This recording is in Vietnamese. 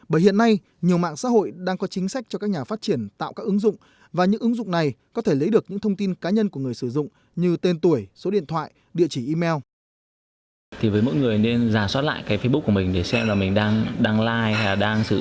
bởi hiện nay nhiều mạng xã hội đang có chính sách cho các nhà phát triển tạo các ứng dụng và những ứng dụng này có thể lấy được những thông tin cá nhân của người sử dụng như tên tuổi số điện thoại địa chỉ email